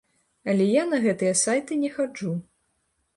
Але я на гэтыя сайты не хаджу.